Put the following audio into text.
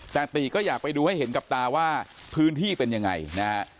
แต่ตีก็อยากไปดูให้เห็นกับตาว่าพื้นที่เป็นยังไงนะฮะ